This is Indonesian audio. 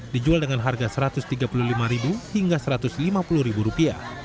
dijual dengan harga rp satu ratus tiga puluh lima hingga rp satu ratus lima puluh